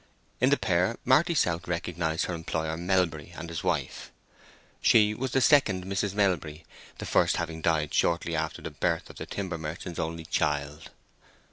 In the pair Marty South recognized her employer Melbury and his wife. She was the second Mrs. Melbury, the first having died shortly after the birth of the timber merchant's only child.